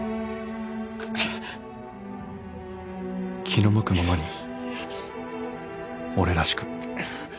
気の向くままに俺らしく